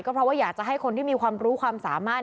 เพราะว่าอยากจะให้คนที่มีความรู้ความสามารถ